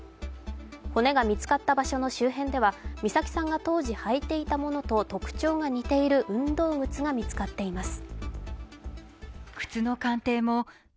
骨が見つかった場所の周辺では美咲さんが当時履いていたものと、特徴が似ている運動靴が見つかっています。